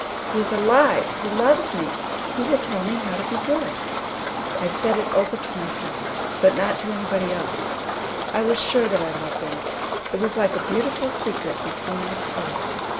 "He is alive! He loves me! He will tell me how to be good!" I said it over to myself, but not to anybody else. I was sure that I loved Him. It was like a beautiful secret between us two.